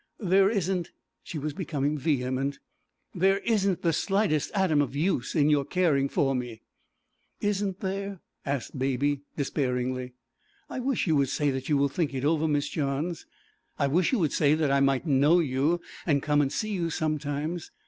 There isn't' (she was becoming vehement), 'there isn't the slightest atom of use in your caring for me.' 'Isn't there?' asked the Baby despairingly. 'I wish you would say that you will think over it, Miss Johns; I wish you would say that I might know you and come and see you sometimes.